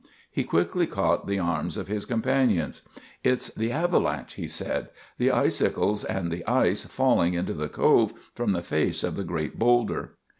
He quickly caught the arms of his companions. "It's the avalanche," he said "the icicles and the ice falling into the Cove from the face of the great boulder."